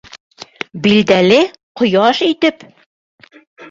— Билдәле, Ҡояш итеп.